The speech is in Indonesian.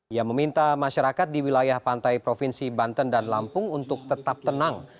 ia meminta masyarakat di wilayah pantai provinsi banten dan lampung untuk tetap tenang